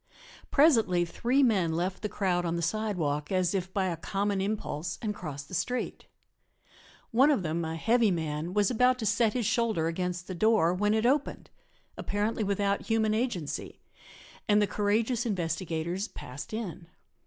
Presently three men left the crowd on the sidewalk as if by a common impulse and crossed the street. One of them, a heavy man, was about to set his shoulder against the door when it opened, apparently without human agency, and the courageous investigators passed in.